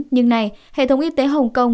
nhưng nay hệ thống y tế hồng kông